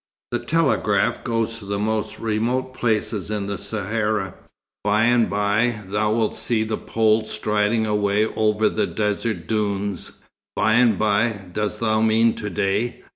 The telegraph goes to the most remote places in the Sahara. By and by, thou wilt see the poles striding away over desert dunes." "By and by! Dost thou mean to day?"